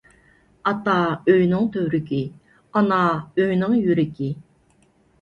ئاتا ئۆينىڭ تۈۋرۈكى، ئانا ئۆينىڭ يۈرىكى.